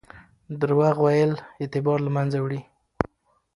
درواغ ویل اعتبار له منځه وړي.